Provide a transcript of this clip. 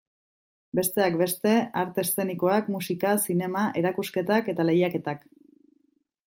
Besteak beste, arte eszenikoak, musika, zinema, erakusketak eta lehiaketak.